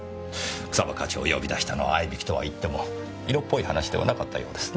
草葉課長を呼び出したのは逢い引きとはいっても色っぽい話ではなかったようですね。